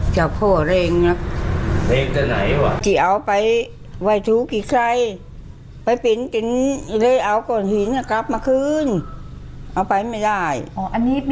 ก็ต้องเอาหินกลับมาคืน